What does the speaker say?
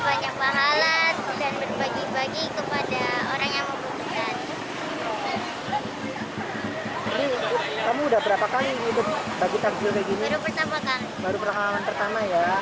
kita banyak pahala dan berbagi bagi kepada orang yang membutuhkan